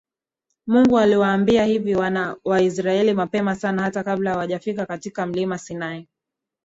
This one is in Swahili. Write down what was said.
Mungu aliwaambia hivi wana wa Israeli mapema sana hata kabla hawajafika katika Mlima Sinai